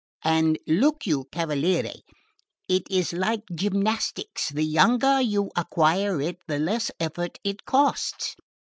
And look you, cavaliere, it is like gymnastics: the younger you acquire it, the less effort it costs.